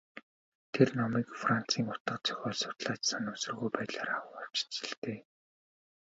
Тэр номыг Францын утга зохиол судлаач санамсаргүй байдлаар авчхаж л дээ.